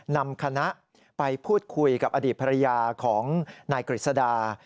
นำคณะไปพูดคุยกับอดีตภรรยาของนายกฤษดา